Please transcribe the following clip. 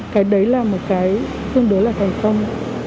cái đấy là một cái tương đối là thành công